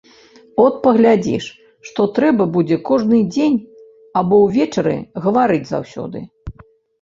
От паглядзіш, што трэба будзе кожны дзень або ўвечары гаварыць заўсёды.